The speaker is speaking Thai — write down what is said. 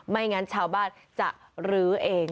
ไม่งั้นชาวบ้านจะลื้อเอง